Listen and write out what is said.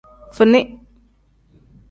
Fini.